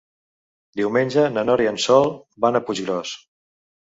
Diumenge na Nora i en Sol van a Puiggròs.